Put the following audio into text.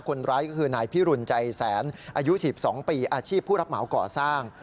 คนร้ายก็คือนายพิรุณใจแสนอายุ๑๒ปีอาชีพผู้รับเหมาก่อสร้าง